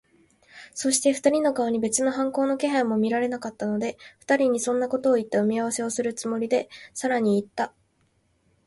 そして、二人の顔に別に反抗の気配も見られなかったので、二人にそんなことをいった埋合せをするつもりで、さらにいった。